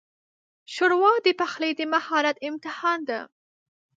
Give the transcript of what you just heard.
ښوروا د پخلي د مهارت امتحان ده.